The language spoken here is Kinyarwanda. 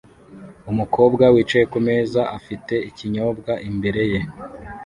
umukobwa wicaye kumeza afite ikinyobwa imbere ye